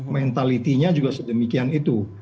mentalitinya juga sedemikian itu